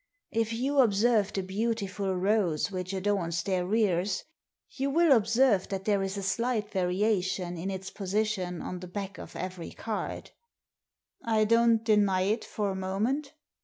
" If you observe the beautiful rose which adorns their rears, you will observe that there is a slight variation in its position on the back of every card." " I don't deny it for a moment."